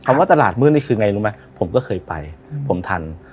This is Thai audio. ว่าตลาดมืดนี่คือไงรู้ไหมผมก็เคยไปผมทัน